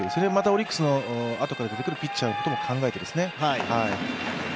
オリックスのあとから出てくるピッチャーのことも考えてですね。